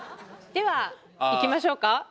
ではいきましょうか。